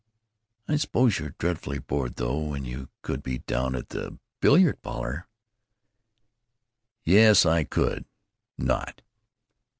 "I suppose you're dreadfully bored, though, when you could be down at the billiard parlor?" "Yes, I could! Not!